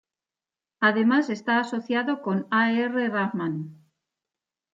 Además está asociado con A. R. Rahman.